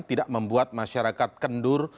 tidak membuat masyarakat kendur